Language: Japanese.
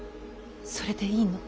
それでいいの。